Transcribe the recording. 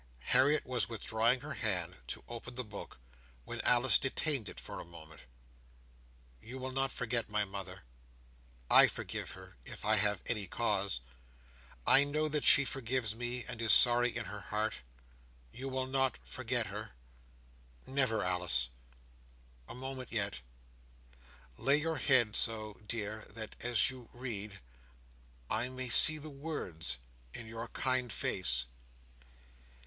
Harriet was withdrawing her hand to open the book, when Alice detained it for a moment. "You will not forget my mother? I forgive her, if I have any cause. I know that she forgives me, and is sorry in her heart. You will not forget her?" "Never, Alice!" "A moment yet. Lay your head so, dear, that as you read I may see the words in your kind face."